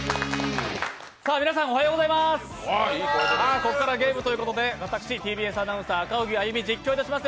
ここからはゲームということで私、ＴＢＳアナウンサー赤荻歩、実況いたします。